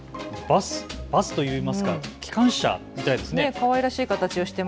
バスといいますか、機関車みたいですね。